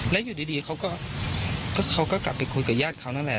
แล้วอยู่ดีเขาก็เขาก็กลับไปคุยกับญาติเขานั่นแหละ